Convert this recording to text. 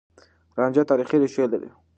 رانجه تاريخي ريښې لري.